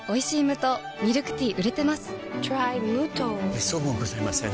めっそうもございません。